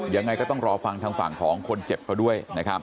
ยังไงก็ต้องรอฟังทางฝั่งของคนเจ็บเขาด้วยนะครับ